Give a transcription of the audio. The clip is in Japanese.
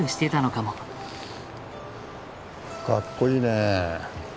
かっこいいねえ。